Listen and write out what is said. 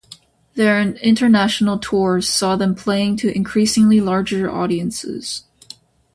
Their international tours saw them playing to increasingly larger audiences.